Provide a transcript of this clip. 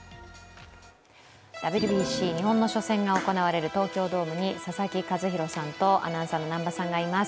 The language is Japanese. ＷＢＣ日本の初戦が行われる東京ドームに佐々木主浩さんとアナウンサーの南波さんがいます。